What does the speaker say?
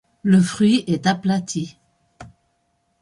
Le fruit est aplati.